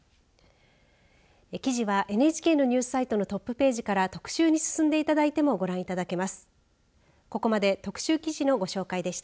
記事はＮＨＫのニュースサイトのトップページから特集に進んでいただいてもご覧いただけます。